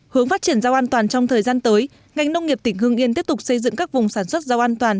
hướng phát triển rau an toàn trong thời gian tới ngành nông nghiệp tỉnh hương yên tiếp tục xây dựng các vùng sản xuất rau an toàn